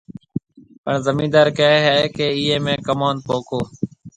پڻ زميندار ڪهيَ هيَ ڪيَ ايئي ۾ ڪموُند پوکو۔